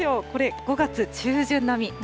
これ、５月中旬並み。